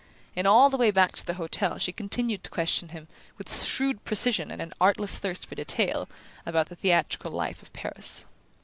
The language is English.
and all the way back to the hotel she continued to question him, with shrewd precision and an artless thirst for detail, about the theatrical life of Paris.